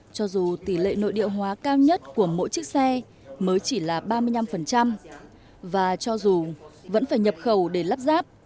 cho dù tỷ lệ nội địa hóa cao nhất của mỗi chiếc xe mới chỉ là ba mươi năm và cho dù vẫn phải nhập khẩu để lắp ráp